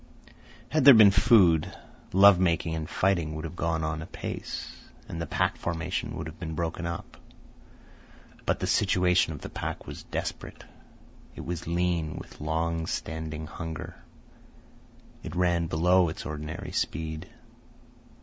Had there been food, love making and fighting would have gone on apace, and the pack formation would have been broken up. But the situation of the pack was desperate. It was lean with long standing hunger. It ran below its ordinary speed.